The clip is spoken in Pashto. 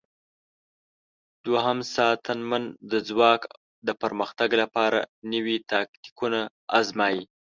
دوهم ساتنمن د ځواک د پرمختګ لپاره نوي تاکتیکونه آزمايي.